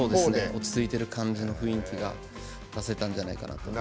落ち着いてる感じの雰囲気が出せたんじゃないかと。